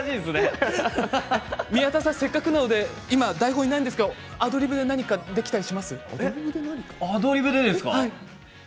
せっかくなので台本にはないんですがアドリブで何かできたりしますか。